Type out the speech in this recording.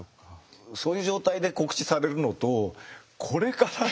そういう状態で告知されるのとこれから。